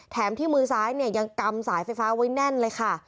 ที่มือซ้ายเนี่ยยังกำสายไฟฟ้าไว้แน่นเลยค่ะ